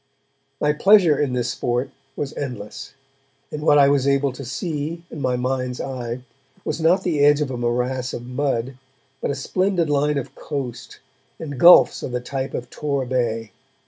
My pleasure in this sport was endless, and what I was able to see, in my mind's eye, was not the edge of a morass of mud, but a splendid line of coast, and gulfs of the type of Tor Bay.